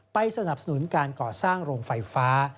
สนับสนุนการก่อสร้างโรงไฟฟ้า